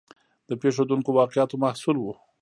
د پېښېدونکو واقعاتو محصول و.